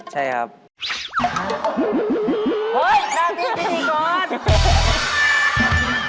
จริงอ่ะ